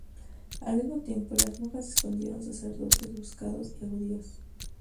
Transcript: Al mismo tiempo, las monjas escondieron sacerdotes buscados y a judíos.